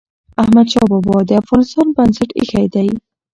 احمد شاه بابا د افغانستان بنسټ ايښی دی.